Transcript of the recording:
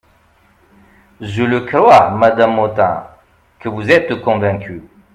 Je le crois, madame Motin, que vous êtes convaincue.